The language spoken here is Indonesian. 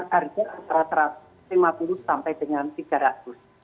harga antara satu ratus lima puluh sampai dengan rp tiga ratus